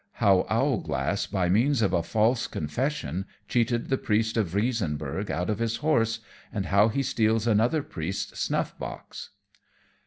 _How Owlglass, by means of a false Confession, cheated the Priest of Riesenburgh out of his Horse; and how he steals another Priest's Snuff box.